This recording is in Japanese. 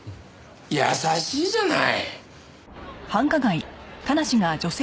優しいじゃない！